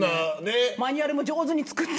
マニュアルも上手に作って。